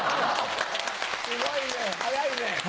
すごいね早いね。